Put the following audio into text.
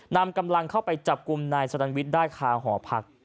นำกำลังเข้าไปจับกลุ่มนายสรรวิทย์ได้คาหอพัก